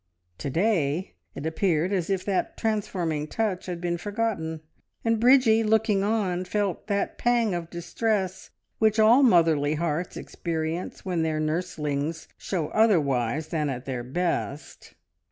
To day it appeared as if that transforming touch had been forgotten, and Bridgie, looking on, felt that pang of distress which all motherly hearts experience when their nurslings show otherwise than at their best.